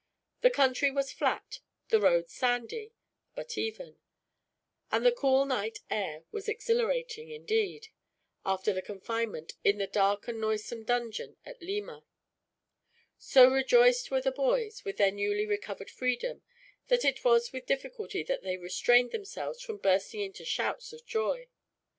The country was flat; the road sandy, but even; and the cool night air was exhilarating, indeed, after the confinement in the dark and noisome dungeon at Lima. So rejoiced were the boys, with their newly recovered freedom, that it was with difficulty they restrained themselves from bursting into shouts of joy.